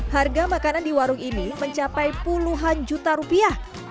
harga makanan di warung ini mencapai puluhan juta rupiah